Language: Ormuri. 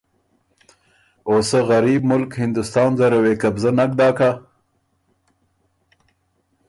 او سۀ غریب ملک هندوستان زره وې قبضۀ نک داک هۀ؟